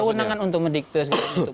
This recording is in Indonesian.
kewenangan untuk mendikte segala macam itu